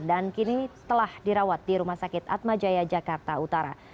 dan kini telah dirawat di rumah sakit atmajaya jakarta utara